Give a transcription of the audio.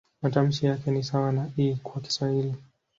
Matamshi yake ni sawa na "i" kwa Kiswahili.